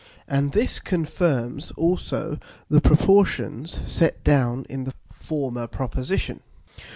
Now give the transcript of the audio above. And this confirms also the proportions set down in the former Proposition.